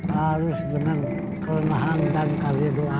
harus dengan kenahan dan keleluhan